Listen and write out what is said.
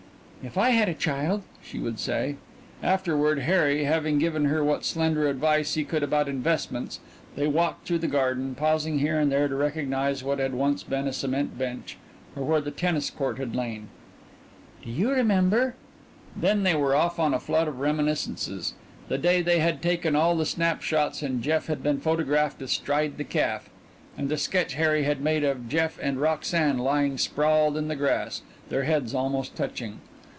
"If I had a child " she would say. Afterward, Harry having given her what slender advice he could about investments, they walked through the garden, pausing here and there to recognize what had once been a cement bench or where the tennis court had lain.... "Do you remember " Then they were off on a flood of reminiscences: the day they had taken all the snap shots and Jeff had been photographed astride the calf; and the sketch Harry had made of Jeff and Roxanne, lying sprawled in the grass, their heads almost touching.